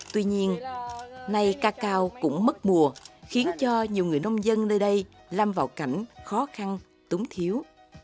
tuy nhiên nay cacao cũng mất mùa khiến cho nhiều người nông dân nơi đây lăm vào cảnh khó khăn túng thiếu